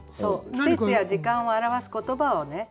季節や時間を表す言葉をね